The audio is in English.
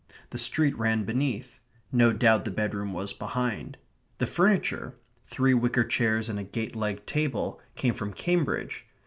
The street ran beneath. No doubt the bedroom was behind. The furniture three wicker chairs and a gate legged table came from Cambridge.